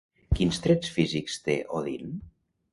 Quins trets físics té Odin?